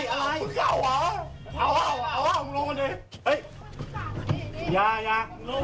คุณทำอะไรครับ